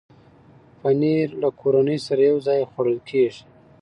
پنېر له کورنۍ سره یو ځای خوړل کېږي.